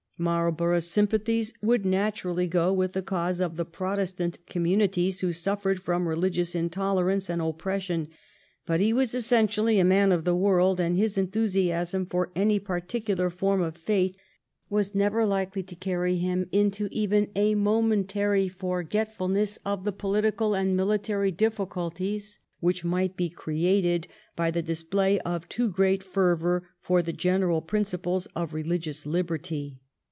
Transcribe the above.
Marlborough's sympathies would naturally go with the cause of the Protestant communities who suffered from religious intolerance and oppression, but he was essentially a man of the wprld, and his en thusiasm for any particular form of faith was never likely to carry him into even a momentary forge tful ness of the political and military difficulties which might be created by the display of too great fervour for the general principle of religious liberty.